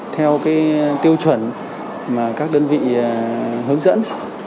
theo tiêu chuẩn mà các đơn vị hướng dẫn